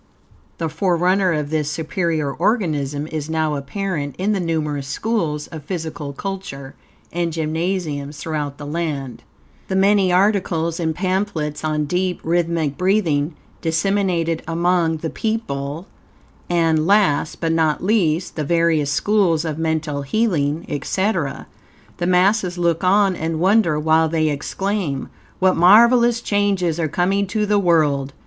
The forerunner of this superior organism is now apparent in the numerous schools of physical culture and gymnasiums throughout the land, the many articles and pamphlets on deep, rythmic breathing disseminated among the people, and last, but not least, the various schools of mental healing, etc. The masses look on and wonder, while they exclaim: "What marvelous changes are coming to the world!"